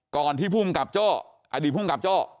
ก่อนที่ภูมิกับโจ้อดีตภูมิกับโจ้